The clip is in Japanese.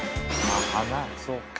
花そうか。